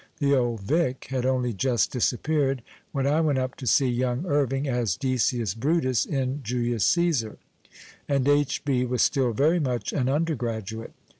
The old " Vic " had only just disapiK'arod when I went up to see young Irving as Dceius lirutus in Julius Ccesar, and H. B. was still very much an undergraduate.